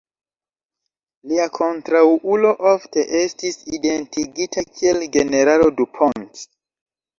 Lia kontraŭulo ofte estis identigita kiel generalo Dupont.